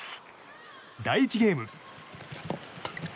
第１ゲーム。